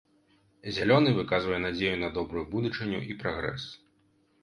Зялёны выказвае надзею на добрую будучыню і прагрэс.